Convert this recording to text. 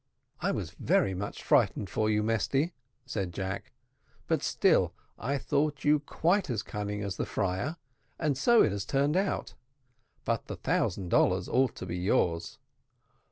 "I was very much frightened for you, Mesty," said Jack; "but still I thought you quite as cunning as the friar, and so it has turned out; but the thousand dollars ought to be yours."